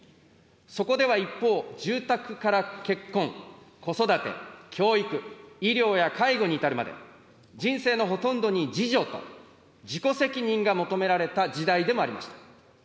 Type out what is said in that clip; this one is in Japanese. そこでは一方、住宅から結婚、子育て、教育、医療や介護に至るまで人生のほとんどに自助と自己責任が求められた時代でもあります。